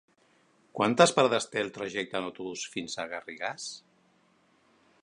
Quantes parades té el trajecte en autobús fins a Garrigàs?